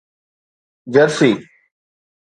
Jersey